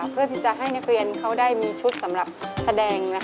เพื่อที่จะให้นักเรียนเขาได้มีชุดสำหรับแสดง